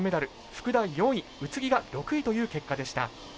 福田、４位宇津木が６位という結果でした。